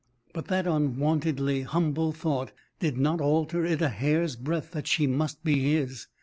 But that unwontedly humble thought did not alter it a hair's breadth that she must be his.